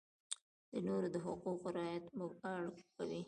د نورو د حقوقو رعایت موږ اړ کوي.